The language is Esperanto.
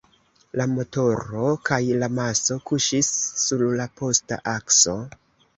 La motoro kaj la maso kuŝis sur la posta akso.